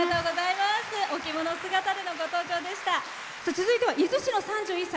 続いては伊豆市の３１歳。